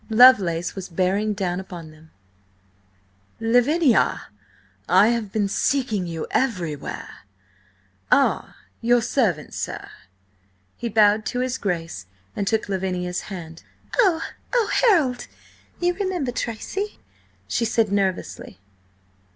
Lovelace was bearing down upon them. "Lavinia! I have been seeking you everywhere!–ah–your servant, sir!" He bowed to his Grace, and took Lavinia's hand. "Oh–oh, Harold!–you remember Tracy?" she said nervously.